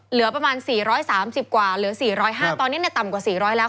เหลือประมาณ๔๓๐กว่าเหลือ๔๐๕ตอนนี้ต่ำกว่า๔๐๐แล้ว